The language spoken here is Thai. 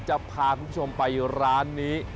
จะพาคุณผู้ชมไปร้านนี้